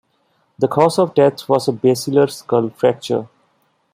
The cause of death was a basilar skull fracture.